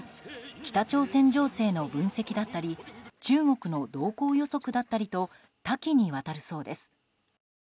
北朝鮮情勢の分析だったり中国の動向予測だったりと多岐にわたるそうです。